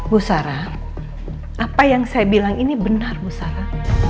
bu sarah apa yang saya bilang ini benar bu sarah